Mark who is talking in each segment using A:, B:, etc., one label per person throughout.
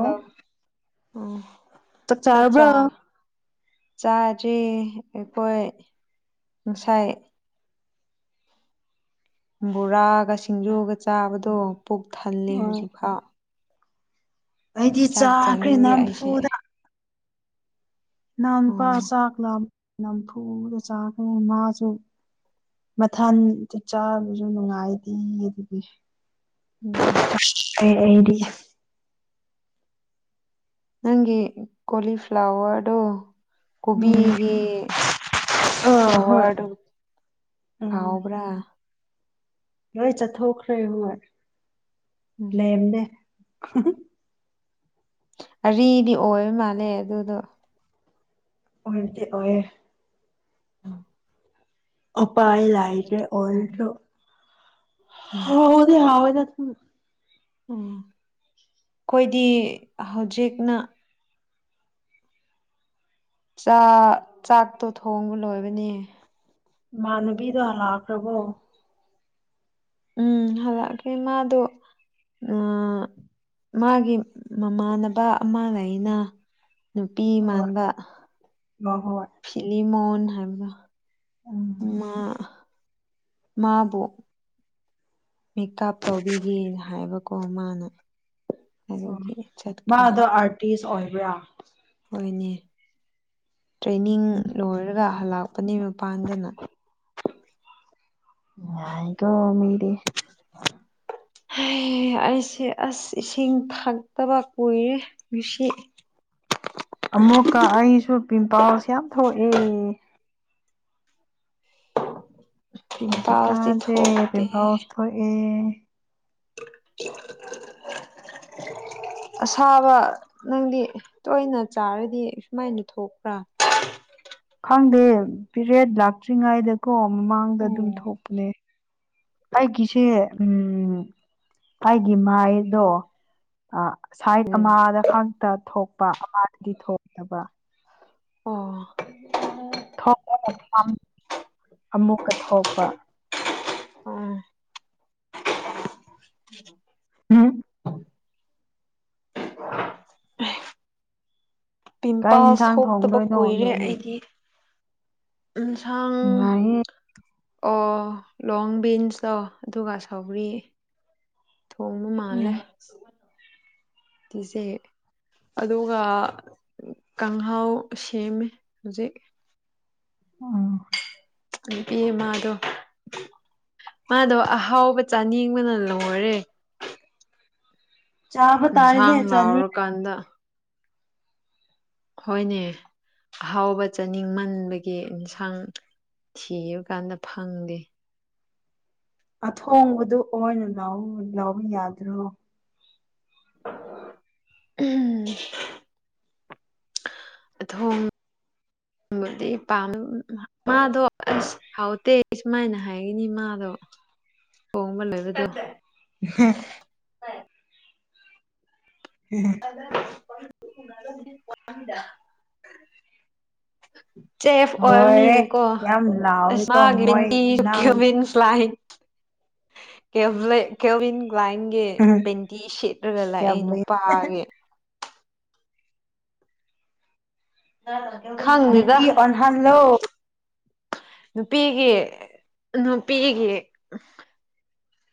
A: ꯍꯂ ꯎ
B: ꯆꯥꯛ ꯆꯥꯔꯕ꯭ꯔꯣ
A: ꯆꯥꯛꯆꯥꯥ ꯆꯥꯗ꯭ꯔꯤ ꯑꯩꯈꯣꯏ ꯉꯁꯥꯏ ꯕꯣꯔꯥꯒ ꯁꯤꯡꯖꯨꯒ ꯆꯥꯕꯗꯣ ꯄꯨꯛ ꯊꯜꯂꯦ
B: ꯑꯣ
A: ꯍꯧꯖꯤꯛꯐꯥꯎ
B: ꯑꯩꯗꯤ
A: ꯆꯥꯛ
B: ꯆꯥꯈ꯭ꯔꯦ
A: ꯆꯥꯅꯤꯡꯗꯦ ꯑꯩꯁꯦ
B: ꯅꯝꯐꯨꯗ ꯅꯍ ꯅꯨꯨꯄꯥ
A: ꯑꯣ
B: ꯆꯥꯛꯂ ꯅꯝꯐꯨꯗ ꯆꯥꯛꯈ꯭ꯔꯦ ꯃꯥꯁꯨ ꯃꯊꯟ ꯆꯥꯛꯆꯥꯕꯖꯨ ꯅꯨꯡꯉꯥꯏꯗꯦ ꯑꯗꯨꯒꯤ
A: ꯎꯝ
B: ꯗꯤ
A: ꯅꯪꯒꯤ ꯀꯣꯂꯤꯐ꯭ꯂꯋꯔꯗꯨꯣ
B: ꯎꯝ
A: ꯀꯣꯕꯤꯒꯤ
B: ꯑꯥ ꯍꯣꯏ
A: ꯐ꯭ꯂꯋꯔꯗꯨ
B: ꯎꯝ
A: ꯍꯥꯎꯕ꯭ꯔꯥ
B: ꯂꯣꯏ ꯆꯠꯊꯣꯛꯈ꯭ꯔꯦ ꯍꯣꯏ
A: ꯎꯝ
B: ꯂꯩꯕꯅꯦ
A: ꯑꯔꯤꯗꯤ ꯑꯣꯏꯕ ꯃꯥꯜꯂꯦ ꯑꯗꯨꯗꯣ
B: ꯑꯣꯏꯔꯗꯤ ꯑꯣꯏ
A: ꯑ
B: ꯎꯄꯥꯥꯏ ꯂꯥꯏꯦ
A: ꯐꯔꯦ ꯎꯝ
B: ꯑꯣꯜꯁꯨꯗꯤ ꯍꯗ
A: ꯎꯝ ꯑꯩꯈꯣꯏꯗꯤ ꯍꯧꯖꯤꯛꯅ ꯆꯥꯛ ꯆꯥꯛꯇꯣ ꯊꯣꯡꯕ ꯂꯣꯏꯕꯅꯦ
B: ꯏꯃꯥꯟꯅꯕꯤꯗꯣ ꯂꯥꯛꯈ꯭ꯔꯕꯣ
A: ꯎꯝ ꯍꯂꯒꯦ ꯃꯥꯗꯣ ꯃꯥꯒꯤ ꯃꯃꯥꯟꯅꯕ ꯑꯃ ꯂꯩꯅ ꯅꯨꯄꯤ
B: ꯍꯣꯏ
A: ꯃꯥꯟꯕ
B: ꯍꯣꯏ ꯍꯣꯏ
A: ꯐꯤꯠꯂꯤꯃꯣꯟ ꯍꯥꯏꯕꯗ
B: ꯎꯝ
A: ꯃꯥ ꯃꯥꯕꯨ ꯃꯦꯀꯞ ꯇꯧꯕꯤꯒꯦꯅ ꯍꯥꯏꯕꯀꯣ ꯃꯥꯅ ꯑꯗꯨꯗꯒꯤ ꯆꯠꯈ꯭ꯔꯦ
B: ꯇꯤꯁ ꯑꯣꯏꯕ꯭ꯔꯥ
A: ꯍꯣꯏꯅꯦ ꯇ꯭ꯔꯦꯅꯤꯡ ꯂꯣꯏꯔꯒ ꯍꯜꯂꯛꯄꯅꯦ ꯃꯄꯥꯟꯗꯅ
B: ꯃꯥꯏꯒ ꯃꯗꯤꯦ
A: ꯑꯩꯁꯦ ꯑꯁ ꯏꯁꯤꯡ ꯊꯛꯇꯕ ꯀꯨꯏꯔꯦ ꯁꯤ
B: ꯑꯃꯨꯛꯀ ꯑꯩꯁꯨ ꯄꯤꯝꯄꯜꯁ ꯌꯥꯝ ꯊꯣꯛꯑꯦ
A: ꯄꯤꯝꯄꯜꯁꯇꯤ
B: ꯍꯧꯖꯤꯛꯀꯥꯟꯁꯦ
A: ꯊꯣꯛꯇꯦ
B: ꯄꯤꯝꯄꯜꯁ ꯊꯣꯛꯑꯦ [inaudible]
A: ꯑꯁꯥꯕ ꯅꯪꯗꯤ ꯇꯣꯏꯅ ꯆꯥꯔꯗꯤ ꯁꯨꯃꯥꯏꯅ ꯊꯣꯛꯄ꯭ꯔꯥ
B: ꯈꯪꯗꯦ ꯄꯦꯔꯦꯠ ꯂꯥꯛꯇ꯭ꯔꯤꯉꯩꯗꯀꯣ ꯃꯃꯥꯡꯗ
A: ꯑꯣ
B: ꯑꯗꯨꯝ ꯊꯣꯛꯄꯅꯦ ꯑꯩꯒꯤꯁꯤ ꯎꯝ ꯑꯩꯒꯤ ꯃꯥꯏꯗꯣ ꯑ ꯁꯥꯏꯠ
A: ꯎꯝ
B: ꯑꯃꯗ ꯈꯛꯇ ꯊꯣꯛꯄ ꯑꯃꯗꯗꯤ ꯊꯣꯛꯇꯕ
A: ꯑꯣ [unintelligible]
B: ꯊꯣꯛꯑꯒ [unintelligible] ꯑꯃꯨꯛꯀ ꯊꯣꯛꯄ
A: ꯎꯝ [inaudible]
B: ꯎꯝ ꯀꯩ
A: ꯄꯤꯝꯄꯜꯁ
B: ꯌꯦꯟꯁꯥꯡ
A: ꯊꯣꯛꯇꯕ
B: ꯊꯣꯡꯗꯣꯏꯅꯣ
A: ꯀꯨꯏꯔꯦ
B: ꯅꯣꯏꯅꯦ
A: ꯑꯩꯗꯤ ꯏꯟꯁꯥꯡ
B: ꯅꯨꯡꯉꯥꯏꯌꯦ
A: ꯑꯣ ꯂꯣꯡ ꯕꯤꯟꯁꯇꯣ ꯑꯗꯨꯒ ꯁꯧꯒ꯭ꯔꯤ ꯊꯣꯡꯕ ꯃꯥꯜꯂꯦ
B: ꯎꯝ
A: ꯎꯖꯦ ꯑꯗꯨꯒ ꯀꯥꯡꯍꯥꯎ ꯁꯦꯝꯃꯦ ꯍꯧꯖꯤꯛ
B: ꯑ
A: ꯅꯨꯄꯤ ꯃꯥꯗꯣ ꯃꯥꯗꯣ ꯑꯍꯥꯎꯕ ꯆꯥꯅꯤꯡꯕꯅ ꯂꯣꯏꯔꯦ
B: ꯆꯥꯕ ꯇꯥꯔꯦꯅꯦ
A: ꯏꯟꯁꯥꯡ
B: ꯆꯥꯅꯤ
A: ꯂꯥꯎꯔꯀꯥꯟꯗ ꯍꯣꯏꯅꯦ ꯑꯍꯥꯎꯕ ꯆꯥꯅꯤꯡꯃꯟꯕꯒꯤ ꯏꯟꯁꯥꯡ ꯊꯤꯕ ꯀꯥꯟꯗ ꯐꯪꯗꯦ
B: ꯑꯊꯣꯡꯕꯗꯨ ꯑꯣꯏꯅ ꯂꯧ ꯂꯧꯕ ꯌꯥꯗ꯭ꯔꯣ
A: ꯎꯝ [unintelligible] ꯑꯊꯣꯡ ꯕꯗꯤ ꯄꯥꯝ ꯏꯃꯥ ꯃꯥꯗꯣ ꯑꯁ ꯍꯥꯎꯇꯦ ꯁꯨꯃꯥꯏꯅ ꯍꯥꯏꯌꯤꯅꯤ ꯃꯥꯗꯣ ꯊꯣꯡꯕ ꯂꯣꯏꯕꯗꯨ
B: [unintelligible] [unintelligible]
A: [unintelligible] ꯆꯦꯐ
B: ꯂꯣꯏꯔꯦ
A: ꯑꯣꯏꯕꯅꯤꯅꯀꯣ
B: ꯌꯥꯝ
A: ꯑꯁ
B: ꯂꯥꯎꯋꯦꯀꯣ
A: ꯃꯥꯒꯤ
B: ꯃꯣꯏ
A: [unintelligible]
B: ꯅꯪ
A: ꯀ꯭ꯌꯨꯕꯤꯟ ꯐꯥꯏꯟ ꯀꯦꯚ꯭ꯂꯦ [unintelligible] ꯒ꯭ꯂꯥꯏꯟꯒꯤ ꯄꯦꯟꯇꯤ ꯁꯦꯠꯂꯒ ꯂꯥꯛꯑꯦ
B: ꯌꯥꯝ ꯂꯩ
A: ꯅꯨꯄꯥꯒꯤ ꯈꯪꯗꯦꯗ
B: ꯍꯜꯂꯣ
A: ꯅꯨꯄꯤꯒꯤ ꯅꯨꯄꯤꯒꯤ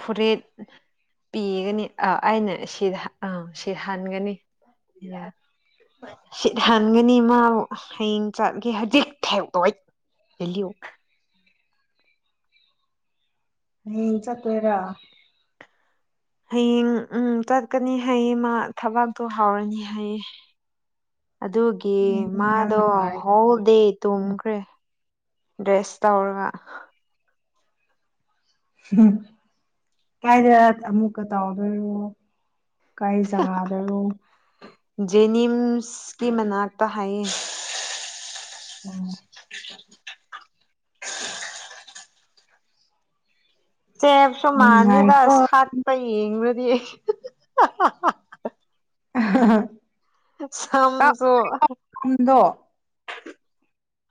A: ꯐꯨꯔꯤꯠ ꯄꯤꯒꯅꯤ ꯑꯥ ꯑꯩꯅ ꯁꯤꯗ ꯑꯥ ꯁꯤ ꯍꯟꯒꯅꯤ ꯁꯤꯠ ꯍꯟꯒꯅꯤ ꯃꯥꯕꯨ ꯍꯌꯦꯡ ꯆꯠꯈꯤ ꯍꯧꯖꯤꯛ [unintelligible] ꯑꯦꯜꯂꯤꯌꯨ
B: ꯍꯌꯦꯡ ꯆꯠꯇꯣꯏꯔꯥ
A: ꯍꯌꯦꯡ ꯎꯝ ꯆꯠꯀꯅꯤ ꯍꯥꯏꯌꯦ ꯃꯥ ꯊꯕꯥꯛꯇꯣ ꯍꯧꯔꯅꯤ ꯍꯥꯏꯌꯦ ꯑꯗꯨꯒꯤ
B: ꯃꯤꯗꯤ ꯌꯥꯝ
A: ꯃꯥꯗꯣ
B: ꯅꯨꯡꯉꯥꯏ
A: ꯍꯣꯜꯗꯦ ꯇꯨꯝꯈ꯭ꯔꯦ ꯗ꯭ꯔꯦꯁ ꯇꯧꯔꯒ
B: [unintelligible] ꯀꯥꯏꯗ ꯑꯃꯨꯛꯀ ꯇꯥꯎꯗꯣꯏꯔꯣ ꯀꯥꯏ ꯖꯒꯥꯗꯔꯣ
A: ꯖꯦꯅꯤꯝꯁꯀꯤ ꯃꯅꯥꯛꯇ ꯍꯥꯏꯌꯦ
B: ꯎꯝ
A: ꯆꯦꯞꯁꯨ ꯃꯥꯅꯤꯗ
B: ꯅꯨꯡꯉꯥꯏꯀꯣ
A: ꯑꯁ ꯍꯥꯠꯄ ꯌꯦꯡꯂꯗꯤ [unintelligible]
B: [unintelligible]
A: ꯁꯝꯖꯨ
B: ꯀꯥꯛꯐꯝꯗꯣ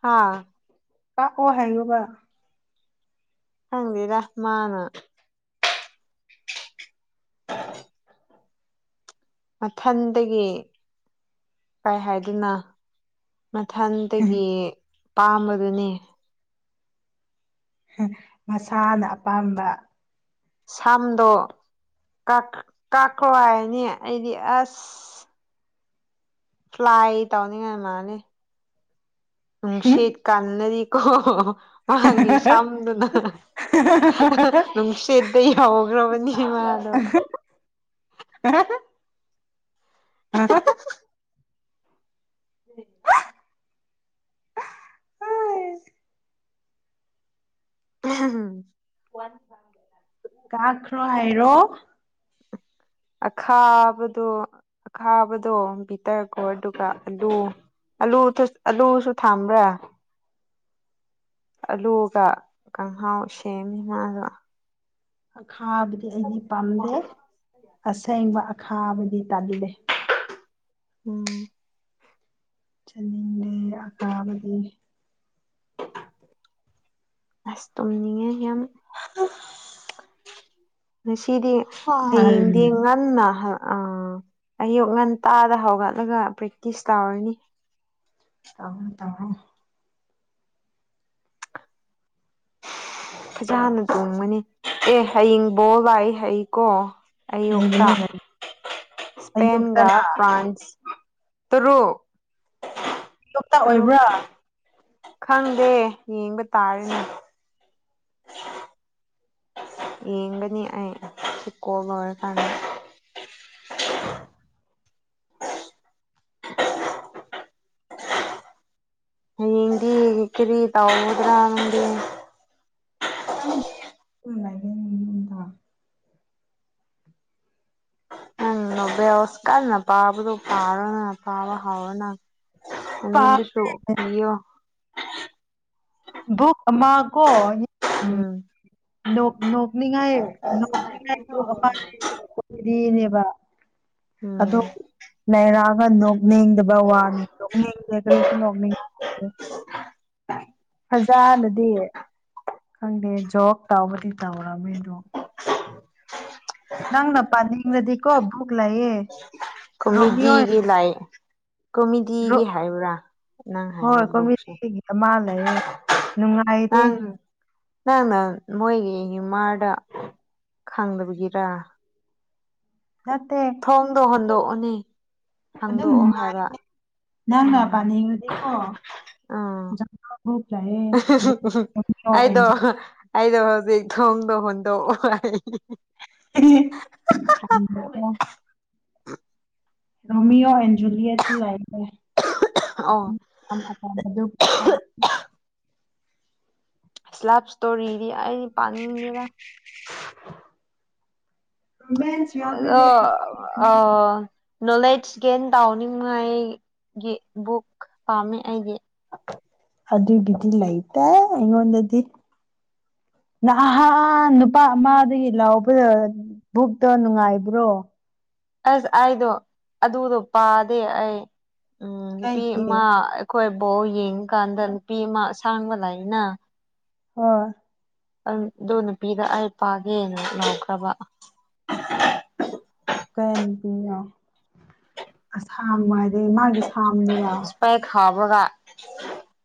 A: ꯍꯥꯥ
B: ꯀꯥꯛꯑꯣ ꯍꯥꯏꯌꯣꯕ
A: ꯈꯪꯗꯦꯗ ꯃꯥꯅ ꯃꯊꯟꯇꯒꯤ ꯀꯥꯏ ꯍꯥꯏꯗꯨꯅ ꯃꯊꯟꯇꯒꯤ ꯄꯥꯝꯕꯗꯨꯅꯤ
B: ꯃꯁꯥꯅ ꯑꯄꯥꯝꯕ
A: ꯁꯝꯗꯣ ꯀꯛ ꯀꯛꯈ꯭ꯔꯣ ꯍꯥꯏꯅꯩ ꯑꯩꯗꯤ ꯑꯁ ꯐ꯭ꯂꯥꯏ ꯇꯧꯅꯤꯡꯉꯥꯏ ꯃꯥꯅꯤ
B: ꯍꯝ
A: ꯅꯨꯡꯁꯤꯠ ꯀꯜꯅꯔꯤꯀꯣ ꯃꯥꯒꯤ ꯁꯝꯗꯨꯅ ꯅꯨꯡꯁꯤꯠꯇ ꯌꯥꯎꯈ꯭ꯔꯕꯅꯤ ꯃꯥꯗꯣ
B: ꯑꯦ ꯍ
A: [unintelligible] [inaudible]
B: ꯀꯥꯈ꯭ꯔꯣ ꯍꯥꯏꯔꯣ
A: ꯑꯈꯥꯕꯗꯣ ꯑꯈꯥꯕꯗꯣ ꯄꯤꯊꯔꯀꯣ ꯑꯗꯨꯒ ꯑꯂꯨ ꯑꯂꯨ ꯑꯂꯨꯁꯨ ꯊꯝꯕ꯭ꯔꯥ ꯑꯂꯨꯒ ꯀꯥꯡꯪꯍꯥꯎ ꯁꯦꯝꯃꯤ ꯃꯥꯗꯣ
B: ꯑꯈꯥꯕꯗꯤ ꯑꯩꯗꯤ ꯄꯥꯝꯗꯦ ꯑꯁꯦꯡꯕ ꯑꯈꯥꯕꯗꯤ ꯇꯜꯂꯤ
A: ꯎꯝ
B: ꯆꯠꯅꯤꯡꯂꯦ ꯑꯀꯥꯕꯗꯤ
A: ꯑꯁ ꯇꯨꯝꯅꯤꯡꯉꯦ ꯌꯥꯝ ꯁꯤꯗꯤ
B: ꯇꯧꯔꯣ
A: ꯍꯌꯦꯡꯗꯤꯉ ꯅꯅ ꯑꯌꯨꯛ ꯉꯟꯇꯥꯗ ꯍꯧꯒꯠꯂꯒ ꯄ꯭ꯔꯦꯛꯇꯤꯁ ꯇꯧꯔꯅꯤ
B: ꯇꯥꯎ ꯇꯥꯥꯎꯣ
A: ꯐꯖꯅ ꯇꯣꯡꯕꯅꯤ ꯑꯦ ꯍꯌꯡꯕꯣ ꯂꯏ ꯍꯩꯀꯣ ꯑꯌꯣꯀ
B: ꯂꯩꯕꯅꯦ ꯂꯩ
A: ꯁꯄꯦꯟꯒ
B: ꯑꯌꯨꯛꯇꯔ
A: ꯐ꯭ꯔꯥꯥꯟꯁ ꯇꯔꯨꯛ
B: ꯂꯣꯛꯇꯥꯛ
A: ꯇꯔꯨꯛ
B: ꯑꯣꯏꯕ꯭ꯔꯥ
A: ꯈꯪꯗꯦ ꯌꯦꯡꯕ ꯇꯥꯔꯤꯅꯦ ꯌꯦꯒꯅꯤ ꯑ ꯆꯀꯣꯒꯣ ꯀꯦ ꯍꯌꯦꯡꯗꯤ ꯀꯔꯤ ꯇꯧꯒꯗ꯭ꯔꯥ ꯅꯪꯒꯤ
B: ꯈꯪ ꯎ ꯂꯩ
A: ꯎꯕꯦꯁꯀꯥꯟꯅ ꯄꯥꯕꯗꯨ ꯄꯥꯔꯣꯅ ꯄꯥꯕ ꯍꯥꯎꯅ
B: ꯄꯥ
A: ꯑꯉꯣꯗꯤꯁꯨꯣ ꯅꯌꯣ
B: ꯃꯥꯒꯣ
A: ꯎꯝ
B: ꯅꯣꯛꯅꯤꯡꯉꯥꯏ ꯅꯣꯛꯅꯤꯡꯉꯥꯏꯣꯛꯄꯗꯤꯅꯦꯕ
A: ꯎꯝ
B: ꯂꯩꯔꯛꯒ ꯅꯣꯛꯅꯤꯡꯗꯕ ꯋꯥꯅꯦ ꯅꯣꯛꯅꯤꯡꯗꯦ ꯀꯔꯤꯁꯨ ꯅꯣꯛꯅꯤꯡ ꯐꯖꯥꯅꯗꯤ ꯈꯪꯗꯦ ꯖꯕ ꯇꯧꯕꯗꯤ ꯇꯧꯔꯝꯃꯦ ꯑꯗꯣ ꯅꯪꯅ ꯄꯥꯅꯤꯡꯉꯗꯤꯀꯣ ꯕꯨꯛ ꯂꯥꯏꯑꯦ
A: ꯀꯣꯃꯦꯗꯤꯒꯤ ꯂꯥꯏ꯭ꯛ
B: ꯔꯣ
A: ꯀꯣꯃꯦꯗꯤꯒꯤ ꯍꯥꯏꯕ꯭ꯔꯥ ꯅꯪ ꯍꯥꯏꯕ
B: ꯍꯣꯏ
A: ꯕꯣꯛꯁ
B: ꯀꯣꯃꯦꯗꯤꯒꯤ ꯑꯃ ꯂꯩꯌꯦ ꯅꯨꯡꯉꯥꯏꯇꯦ
A: ꯅꯪ ꯅꯪꯅ ꯅꯣꯏꯒꯤ ꯍ꯭ꯌꯨꯃꯥꯔꯗ ꯈꯪꯗꯕꯒꯤꯔ
B: ꯅꯠꯇꯦ
A: ꯊꯣꯡꯗ ꯍꯟꯗꯣꯛꯑꯅꯤ
B: ꯑꯗꯨꯝ ꯅꯨꯡꯉꯥꯏ ꯅꯪꯅ
A: ꯎꯝ
B: ꯄꯥꯅꯤꯡꯕꯗꯤꯀꯣ
A: ꯎꯝ
B: ꯭ꯔꯨꯨꯞ ꯂꯑꯦ
A: ꯑꯩꯗꯣ
B: ꯑꯗꯨꯟ
A: ꯑꯩꯗꯣ ꯍꯧꯖꯤꯛ ꯊꯣꯡꯗ ꯍꯨꯟꯗꯣꯛꯑꯣ
B: [unintelligible] ꯔꯣꯃꯤꯑꫭ ꯑꯦꯟ ꯖꯨꯂꯤꯌꯥꯠ ꯆ ꯂꯥꯏ
A: ꯑꯣ
B: ꯑꯗꯨ
A: ꯂꯞ ꯏꯁꯇꯣꯔꯤꯗꯤ ꯑꯩꯅꯤ
B: ꯃ [unintelligible]
A: ꯍꯜꫪꯣ ꯑ ꯅꯣꯂꯦꯖ ꯒꯦꯟ ꯇꯥꯎꯅꯤꯡꯉꯥꯏ ꯒꯤ ꯕꯨꯛ ꯄꯥꯝꯃꯦ ꯑꯩꯒꯤ
B: ꯑꯗꯨꯗ ꯗꯤꯂꯥꯏꯇ ꯑꯩꯉꯣꯟꯟꯗꯤ ꯅꯍꯥ ꯅꯨꯄꯥ ꯑꯃꯗꯒꯤ ꯂꯥꯎꯕꯤꯔꯗꯤ ꯕꯨꯛꯇ ꯅꯨꯡꯉꯥꯏꯕ꯭ꯔꯣ
A: ꯑꯁ ꯑꯩꯗꯣ ꯑꯗꯨꯗꯣ ꯄꯥꯗꯦ ꯑꯩ ꯎꯝ
B: ꯀꯥꯏꯒꯤ
A: ꯅꯨꯄꯤꯃ ꯑꯩꯈꯣꯏ ꯕꯧ ꯌꯦꯡꯀꯥꯟꯗ ꯅꯨꯄꯤ ꯑꯃ ꯑꯁꯥꯡꯕ ꯂꯅ
B: ꯍꯣꯏ
A: ꯑꯗꯨ ꯅꯨꯄꯤꯗ ꯑꯩ ꯄꯥꯒꯦꯅ ꯂꯥꯎꯈ꯭ꯔꯕ
B: ꯀꯩ ꯄꯤꯅꯣ ꯑꯁꯥꯡ ꯍꯥꯏꯗꯤ ꯃꯥꯒꯤ ꯁꯥꯡꯝꯗꯕ
A: ꯄꯦꯛ ꯈꯥꯎꯔꯒ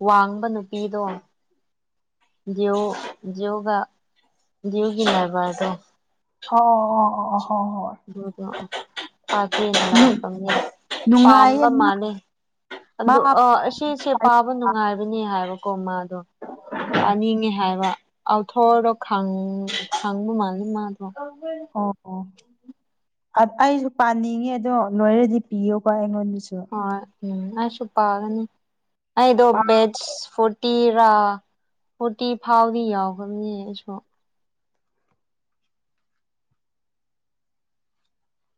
A: ꯋꯥꯡꯕ ꯅꯨꯄꯤꯗꯣ ꯗꯤꯎ ꯗꯤꯎꯒ ꯗꯤꯌꯎꯒꯤ ꯂꯥꯏꯕꯔꯁꯦ
B: ꯑꯣ ꯑꯣ ꯑꯣ ꯍꯣ ꯍꯣꯏ
A: ꯑꯗꯨ ꯑ
B: ꯍꯣꯏ ꯅꯨꯡꯉꯥꯏꯌꯦ
A: ꯄꯥꯝꯕ ꯃꯥꯅꯦ
B: ꯃꯥ
A: ꯑꯗꯨ ꯑꯁꯤꯁꯣ
B: ꯄꯥꯏ
A: ꯄꯥꯕ ꯅꯨꯡꯉꯥꯏꯕꯅꯦ ꯍꯥꯏꯕꯀꯣ ꯃꯥꯗꯣ
B: ꯑꯣ
A: ꯄꯥꯅꯤꯡꯉꯦ ꯍꯥꯏꯕ ꯑꯥꯎꯊꯣꯔꯗꯣ ꯈꯪ ꯈꯪꯕ ꯃꯥꯅꯤ ꯃꯥꯗꯣ
B: ꯑꯣ ꯑꯣ ꯑꯩꯁꯨ ꯄꯥꯅꯤꯡꯉꯦ ꯑꯗꯣ ꯂꯣꯏꯔꯗꯤ ꯄꯤꯌꯨꯀꯣ ꯑꯩꯉꯣꯟꯗꯁꯨ
A: ꯎꯝ ꯑ ꯃꯥꯁꯨꯞꯄꯅꯤ ꯐꯨ ꯄꯤꯔꯥ ꯐꯨꯔꯇꯤ ꯐꯥꯎꯗꯤ ꯌꯥꯎꯒꯕꯅꯤ ꯑꯩꯁꯨ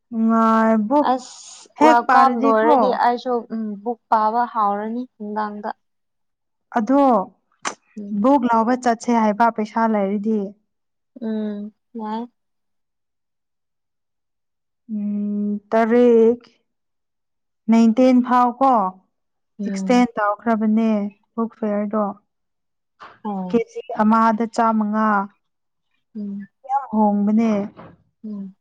B: ꯑ [unintelligible]
A: ꯑꯁ ꯋꯥꯔꯜ ꯀꯥꯞ ꯂꯣꯏꯔꯗꯤ ꯑꯩꯁꯨ ꯕꯨꯛ ꯄꯥꯕ ꯍꯥꯎꯔꯅꯤ ꯅꯨꯡꯗꯥꯡꯗ
B: ꯑꯗꯣ
A: ꯎꯝ
B: ꯕꯨꯛ ꯂꯧꯕ ꯆꯠꯁꯦ ꯍꯥꯏꯕ ꯄꯩꯁꯥ ꯂꯩꯔꯤꯗꯤ
A: ꯎꯝ ꯌꯥꯏ
B: ꯎꯝ ꯇꯔꯦꯛ ꯅꯥꯏꯟꯇꯤꯟ ꯐꯥꯎ ꯀꯣ ꯑꯦꯛꯁꯇꯦꯟ
A: ꯎꯝ
B: ꯇꯧꯈ꯭ꯔꯕꯅꯦ ꯕꯨꯛ ꯐꯤꯌꯥꯔꯗꯣ
A: ꯍꯣꯏ
B: ꯀꯦꯖꯤ ꯑꯃꯥꯗ ꯆꯥꯝꯃꯉꯥ
A: ꯎꯝ
B: ꯍꯣꯡꯕꯅꯦ
A: ꯎꯝ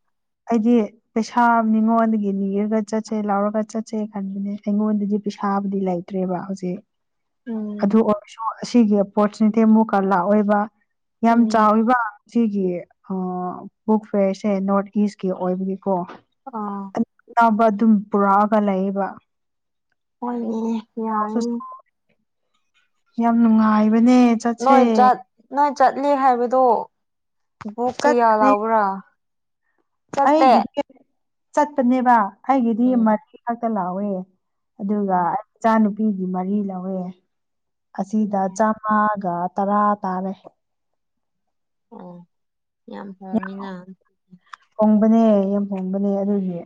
B: ꯑꯩꯗꯤ ꯄꯩꯁꯥ ꯃꯤꯉꯣꯟꯗꯒꯤ ꯅꯤꯔꯒ ꯆꯠꯁꯦ ꯂꯥꯎꯔꯒ ꯆꯠꯁꯦ ꯈꯟꯕꯅꯦ ꯑꯩꯉꯣꯟꯗꯗꯤ ꯄꯩꯁꯥꯕꯨꯗꯤ ꯂꯩ ꯇ꯭ꯔꯦꯕ ꯍꯧꯖꯤꯛ ꯑꯗꯨ
A: ꯎꯝ
B: ꯑꯣꯏꯔꯁꯨ ꯑꯁꯤꯒꯤ ꯑꯣꯄꯣꯁꯤꯒꯗꯤ ꯑꯃꯨꯛꯀ ꯂꯥꯛꯑꯣꯏꯕ ꯌꯥꯝ
A: ꯎꯝ
B: ꯆꯥꯎꯋꯦꯕ ꯁꯤꯒꯤ ꯕꯨꯛ ꯐꯦꯌꯔꯁꯦ ꯅꯣꯔꯠ ꯏꯁ ꯀꯤ ꯑꯣꯏꯕꯅꯤꯀꯣ
A: ꯑ
B: ꯑ ꯑꯅꯝꯕ ꯑꯗꯨꯝ ꯄꯨꯔꯛꯑꯒ ꯂꯩꯌꯦꯕ
A: ꯍꯣꯜ
B: ꯌꯥꯝ ꯅꯨꯡꯉꯥꯏꯕꯅꯦ ꯆꯠꯁꯦ
A: ꯅꯣꯏ ꯆꯠ ꯅꯣꯏ ꯆꯠꯂꯤ ꯍꯥꯏꯕꯗꯣ ꯨ
B: ꯆꯠꯄꯅꯦ
A: ꯀꯌꯥꯂꯥꯎ꯭ꯕꯔꯥ
B: ꯑꯩꯒꯤꯗꯤ ꯆꯠꯄꯅꯦꯕ ꯑꯩꯒꯤꯗꯤ
A: ꯎꯝ
B: ꯃꯔꯤ ꯈꯥꯛꯇ ꯂꯥꯋꯦ ꯑꯗꯨꯒ
A: ꯎꯝ
B: ꯑꯩ ꯏꯆꯥꯅꯨꯄꯤꯒꯤ ꯃꯔꯤ ꯂꯧꯋꯦ ꯑꯁꯤꯗ
A: ꯎꯝ
B: ꯆꯥꯝꯃꯥ ꯑꯗꯨꯒꯇꯔꯥ ꯇꯥꯔꯦ
A: ꯑꯣ ꯌꯥꯝ ꯍꯣꯡꯉꯤꯅ
B: ꯍꯣꯡꯕꯅꯦ ꯌꯥꯝ ꯍꯣꯡꯕꯅꯦ ꯑꯗꯨꯒꯤ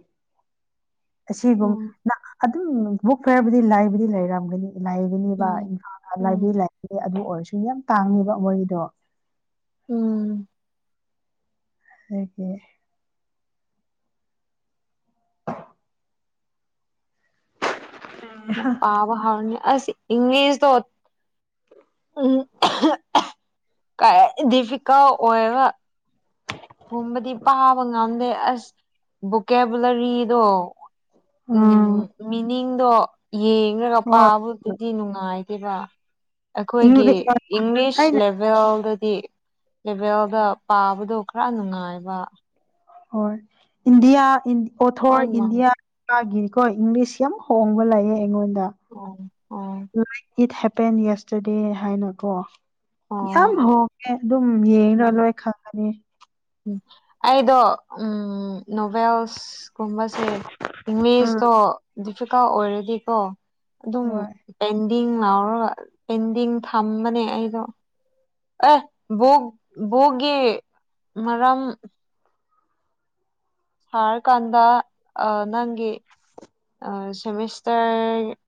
B: ꯑꯁꯤꯒꯨꯝ
A: ꯎꯝ
B: ꯑꯗꯨꯝ ꯕꯨꯛ ꯈꯔꯕꯨꯗꯤ ꯂꯥꯏꯕꯨꯗꯤ ꯂꯩꯔꯝꯒꯅꯤ ꯂꯥꯏꯒꯅꯤꯕ
A: ꯎꯝ ꯎꯝ
B: ꯂꯥꯏꯕꯔꯤ ꯑꯗꯨ ꯑꯣꯏꯔꯁꯨ ꯌꯥꯝ ꯇꯥꯡꯉꯦꯕ ꯃꯣꯏꯒꯤꯗꯣ
A: ꯎꯝ
B: [unintelligible] ꯎꯝ [unintelligible]
A: ꯄꯥꯕ ꯍꯥꯔꯅꯤ ꯑꯁ ꯏꯪꯂꯤꯁꯗꯣ ꯎꯝ [unintelligible] ꯀ ꯗꯤꯐꯤꯀꯜ ꯑꯣꯏꯕ ꯨꯕꯗꯤ ꯄꯥꯕ ꯉꯝꯗꯦ ꯑꯁ ꯕꯣꯀꯦꯕꯨꯂꯔꯤꯗꯣ
B: ꯎꯝ
A: ꯃꯤꯅꯤꯡꯗꯣ ꯌꯦꯡꯒ
B: ꯍꯣꯏ
A: ꯄꯥꯕꯗꯨꯗꯤ ꯅꯨꯡꯉꯥꯏꯗꯦꯕ ꯑꯩꯈꯣꯏꯒꯤ ꯏꯪꯂꯤꯁ
B: ꯑꯩꯅ
A: ꯂꯦꯚꯦꯜꯗꯗꯤ ꯂꯦꯚꯦꯜꯗ ꯄꯥꯕꯗꯨ ꯈꯔ ꯅꯨꯡꯉꯥꯏꯕ
B: ꯍꯣꯢ ꯏꯟꯗꯤꯌꯥ ꯑꯣꯊꯔ
A: ꯂꯣꯏꯅꯃꯛ
B: ꯏꯟꯗꯤꯌꯥ ꯃꯥꯒꯤꯀꯣ ꯏꯪꯂꯤꯁ ꯌꯥꯝ ꯍꯣꯡꯕ ꯂꯩꯌꯦ ꯑꯩꯉꯣꯟꯗ
A: ꯑꯣ
B: ꯂꯥꯏꯛ ꯏꯠ ꯍꯦꯄꯦꯟ ꯌꯦꯁꯇꯔꯗꯦ ꯍꯥꯏꯅꯀꯣ ꯌꯥꯝ
A: ꯑꯣ
B: ꯍꯣꯡꯉꯦ ꯑꯗꯨꯝ ꯌꯦꯡꯔ
A: ꯎꯝ
B: ꯂꯣꯏ ꯈꯪꯉꯅꯤ
A: ꯎꯝ ꯑꯩꯗꯣ ꯎꯝ ꯅꯣꯕꯦꯜꯁꯀꯨꯝꯕ
B: ꯑꯥ
A: ꯏꯪꯂꯤꯁꯇꯣ ꯗꯤꯐꯤꯀꯜ ꯑꯣꯏꯔꯗꯤꯀꯣ ꯑꯗꯨꯝ꯫
B: ꯍꯣꯏ
A: ꯄꯦꯟꯗꯤꯡ ꯂꯥꯎꯔꯒ ꯄꯦꯟꯗꯤꯡ ꯊꯝꯕꯅꯦ ꯑꯩꯗꯣ ꯑꯦ ꯕꫭꯛ ꯕꫭ ꯒꯤ ꯃꯔꯝ ꯁꯥꯔꯀꯥꯟꯗ ꯅꯪꯒꯤ ꯁꯦꯃꯤꯁꯇꯔ